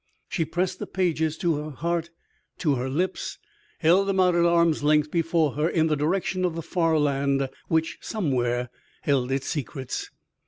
She pressed the pages to her heart, to her lips, held them out at arm's length before her in the direction of the far land which somewhere held its secrets.